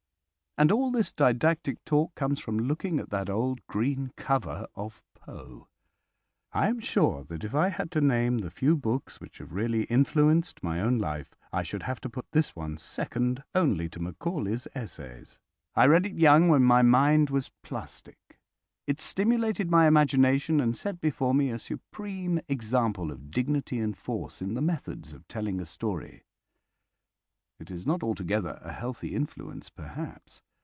And all this didactic talk comes from looking at that old green cover of Poe. I am sure that if I had to name the few books which have really influenced my own life I should have to put this one second only to Macaulay's Essays. I read it young when my mind was plastic. It stimulated my imagination and set before me a supreme example of dignity and force in the methods of telling a story. It is not altogether a healthy influence, perhaps.